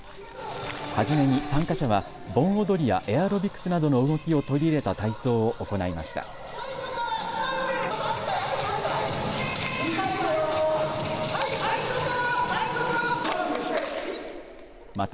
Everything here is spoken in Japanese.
初めに参加者は盆踊りやエアロビクスなどの動きを取り入れた体操を行いました。